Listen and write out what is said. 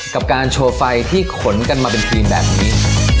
กับการโชว์ไฟที่ขนกันมาเป็นทีมแบบนี้